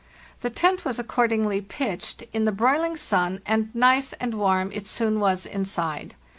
The tent was accordingly pitched in the broiling sun, and nice and warm it soon was inside.